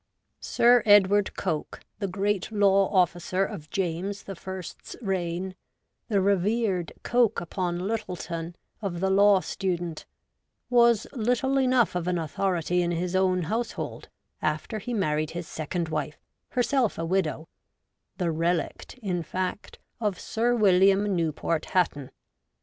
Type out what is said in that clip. Sir Edward Coke, the great law officer of James the First's reign — the revered ' Coke upon Lyttleton ' of the law student — was little enough of an authority in his own household after he had married his second Avife, herself a widow — the 'relict,' in fact, of Sir William Newport Hatton.